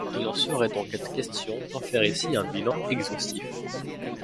Il ne saurait donc être question d’en faire ici un bilan exhaustif.